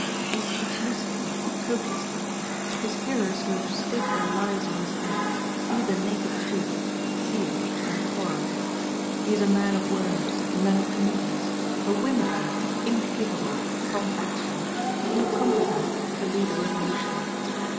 He speaks lucidly, copiously. His hearers who have staked their lives on his head, see the naked truth, see it to their horror. He is a man of words, a man of committees, a wind bag incapable of prompt action, incompetent to lead a Revolution.